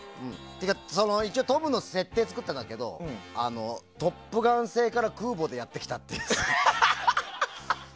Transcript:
っていうかトムの設定作ったんだけど「トップガン」星から空母でやってきたという。